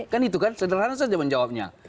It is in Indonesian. kan itu kan sederhana saja menjawabnya